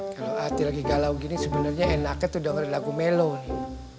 kalau hati lagi galau gini sebenarnya enaknya tuh dengerin lagu melo nih